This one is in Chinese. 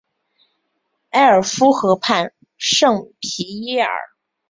埃尔夫河畔圣皮耶尔。